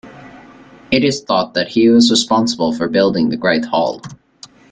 It is thought that he was responsible for building the great hall.